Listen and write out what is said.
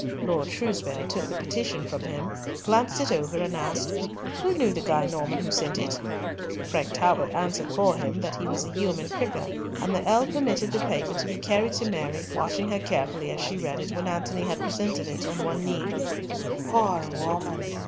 Lord Shrewsbury took the petition from him, glanced it over, and asked, "Who knew the Guy Norman who sent it?" Frank Talbot answered for him, that he was a yeoman pricker, and the Earl permitted the paper to be carried to Mary, watching her carefully as she read it, when Antony had presented it on one knee. "Poor woman!"